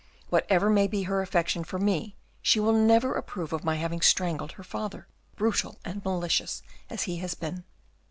Whatever may be her affection for me, she will never approve of my having strangled her father, brutal and malicious as he has been.